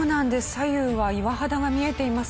左右は岩肌が見えています。